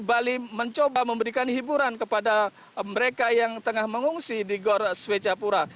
bali mencoba memberikan hiburan kepada mereka yang tengah mengungsi di gor swecapura